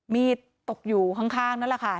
มีดตกอยู่ข้างนั่นแหละค่ะ